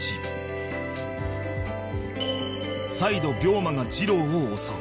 再度病魔が二郎を襲う